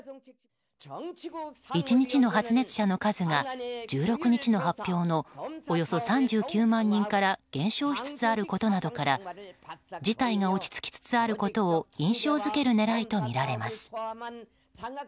１日の発熱者の数が１６日の発表のおよそ３９万人から減少しつつあることなどから事態が落ち着きつつあることを印象付ける狙いとみられます。